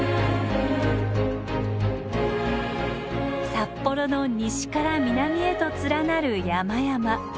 札幌の西から南へと連なる山々。